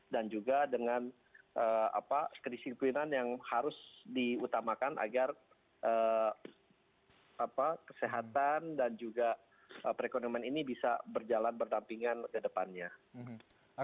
dan juga dengan kesehatan yang harus diutamakan agar kesehatan dan juga perekonomian ini bisa berjalan bertampingan ke depannya